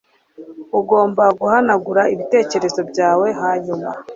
Ugomba guhanagura ibitekerezo byawe hanyuma